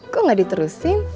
kok gak diterusin